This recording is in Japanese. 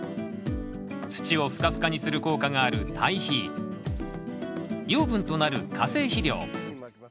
土をふかふかにする効果がある堆肥養分となる化成肥料。